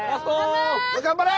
頑張れ！